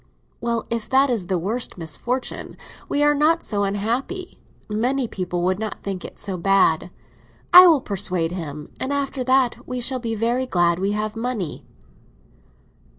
"Well, if it is the worst misfortune, we are not so unhappy. Many people would not think it so bad. I will persuade him, and after that we shall be very glad we have money."